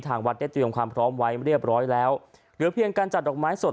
วัดได้เตรียมความพร้อมไว้เรียบร้อยแล้วเหลือเพียงการจัดดอกไม้สด